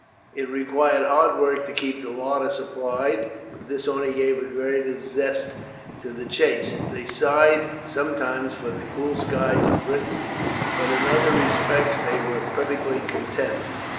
It required hard work to keep the larder supplied, but this only gave a greater zest to the chase. They sighed sometimes for the cool skies of Britain, but in other respects they were perfectly contented.